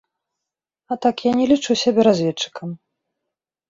А так я не лічу сябе разведчыкам!